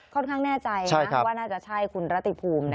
ค่อนข้างแน่ใจนะครับว่าน่าจะใช่คุณรติภูมิ